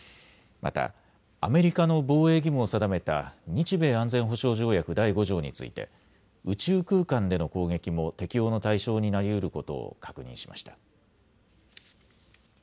またアメリカの防衛義務を定めた日米安全保障条約第５条について宇宙空間での攻撃も適用の対象になりうることを確認しました。